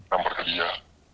lempar ke dia